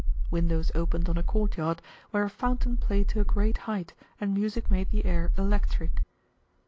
Windows opened on a courtyard where a fountain played to a great height and music made the air electric.